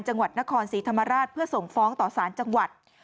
จังหวัดนครศรีธรรมราชเพื่อส่งฟ้องต่อสารจังหวัด